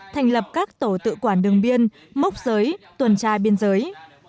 thành lập các tổ tự quản đường biên mốc giới tuần trai biên giới